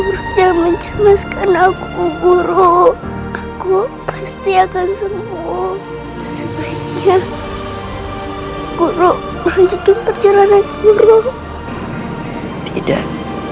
jangan menjelaskan aku guru aku pasti akan sembuh sebaiknya guru lanjutkan perjalanan guru tidak